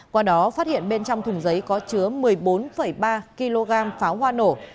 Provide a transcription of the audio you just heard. qua đó phát hiện bên trong thùng giấy có chứa một mươi bốn ba kg pháo hoa nổ